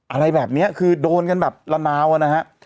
อะไรแบบนี้คือโดนกันแบบละนาวนะฮะ